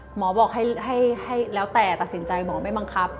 หมอบอกให้แล้วแต่ตัดสินใจหมอไม่บังคับ